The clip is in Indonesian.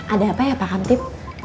ada apa ya pak hamtip